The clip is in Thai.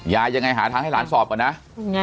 ยังไงหาทางให้หลานสอบก่อนนะ